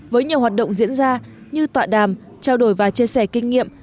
với nhiều hoạt động diễn ra như tọa đàm trao đổi và chia sẻ kinh nghiệm